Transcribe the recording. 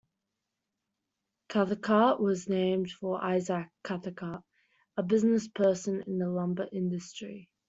Cathcart was named for Isaac Cathcart, a businessperson in the lumber industry.